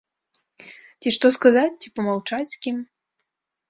Ці што сказаць, ці памаўчаць з кім?